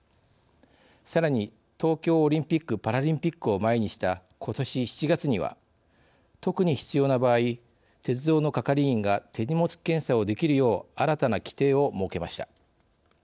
さらに東京オリンピックパラリンピックを前にしたことし７月には特に必要な場合鉄道の係員が手荷物検査をできるよう新たな規定を設けました。